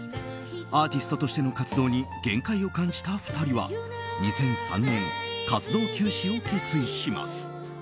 アーティストとしての活動に限界を感じた２人は２００３年活動休止を決意します。